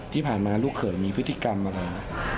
ที่ผ่านมาลูกเขยมีพฤติกรรมอะไร